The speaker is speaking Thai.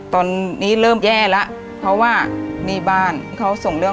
ตอนนี้เริ่มแย่แล้วเพราะว่านี่บ้านเขาส่งเรื่อง